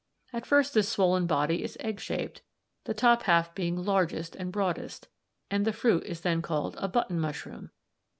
At first this swollen body is egg shaped, the top half being largest and broadest, and the fruit is then called a 'button mushroom' b4.